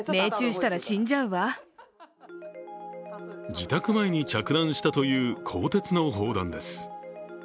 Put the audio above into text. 自宅前に着弾したという鋼鉄の砲弾です。